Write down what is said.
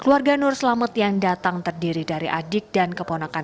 keluarga nur selamet yang datang terdiri dari adik dan keponakan